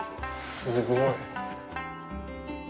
すごい。